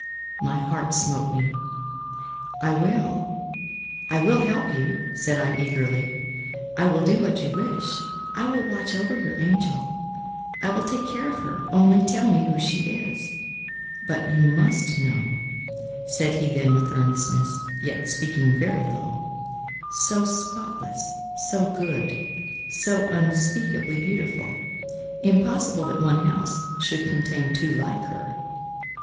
My heart smote me. "I will—I will help you," said I eagerly. "I will do what you wish. I will watch over your angel; I will take care of her, only tell me who she is." "But you must know," said he then with earnestness, yet speaking very low. "So spotless, so good, so unspeakably beautiful! impossible that one house should contain two like her.